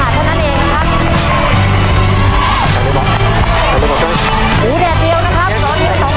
เล็กน้อยบ้างช่างมันไม่เป็นไรนะครับแต่อย่าให้ขาดเท่านั้นเองนะครับ